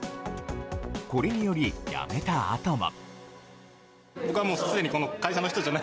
これにより、辞めたあとも。